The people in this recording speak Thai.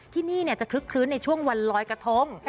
ที่นี่จะคลึกในช่วงวันร้อยกระทง